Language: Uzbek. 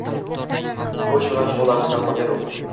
bu ish bilan shug‘ullanishdan foyda yo‘q.